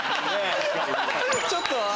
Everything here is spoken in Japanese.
ちょっと。